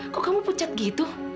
kok kamu pucat gitu